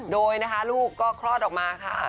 โดยนะคะลูกก็คลอดออกมาค่ะ